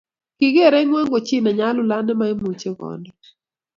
Kikerei kwony ko chi nenyalulat nemoimuchi kondo